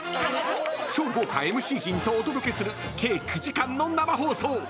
超豪華ＭＣ陣がお届けする計９時間の生放送。